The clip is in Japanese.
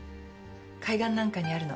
海岸なんかにあるの。